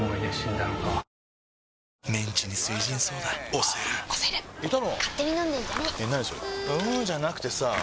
んーじゃなくてさぁ